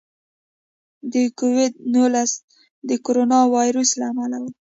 د کوویډ نولس د کورونا وایرس له امله و.